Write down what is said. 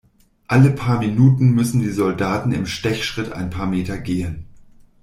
Alle paar Minuten müssen die Soldaten im Stechschritt ein paar Meter gehen.